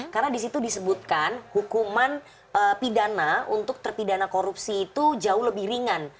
karena disitu disebutkan hukuman pidana untuk terpidana korupsi itu jauh lebih ringan